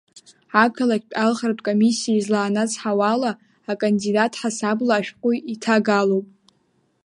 Ақалақьтә алхратә комиссиа излаанацҳауа ала, акандидат ҳасабла ашәҟәы иҭагалоуп…